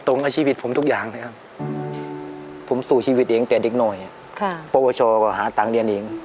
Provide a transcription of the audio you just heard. น้องยูย์นี้ยังไม่มีเงินสะสมนะ